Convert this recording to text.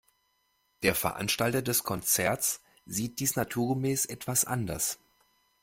Der Veranstalter des Konzerts sieht dies naturgemäß etwas anders.